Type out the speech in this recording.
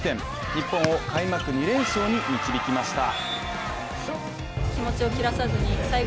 日本を開幕２連勝に導きました。